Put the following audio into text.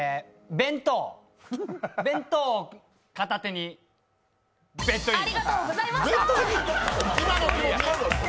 弁当、片手にベッドイン！